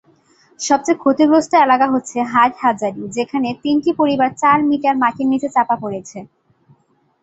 সবচেয়ে ক্ষতিগ্রস্ত এলাকা হচ্ছে হাটহাজারী, যেখানে তিনটি পরিবার চার মিটার মাটির নিচে চাপা পড়েছে।